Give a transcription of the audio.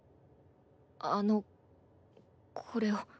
あのこれを。